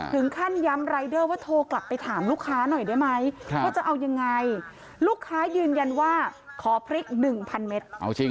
ถึงขั้นย้ำรายเดอร์ว่าโทรกลับไปถามลูกค้าหน่อยได้ไหมว่าจะเอายังไงลูกค้ายืนยันว่าขอพริก๑๐๐เมตร